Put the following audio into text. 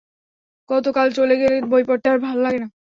কত কাল চলে গেল, বই পড়তে আর ভালো লাগে না।